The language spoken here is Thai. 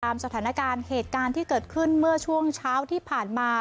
สถานการณ์เหตุการณ์ที่เกิดขึ้นเมื่อช่วงเช้าที่ผ่านมา